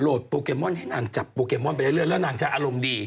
โปเกมอนให้นางจับโปเกมอนไปเรื่อยแล้วนางจะอารมณ์ดี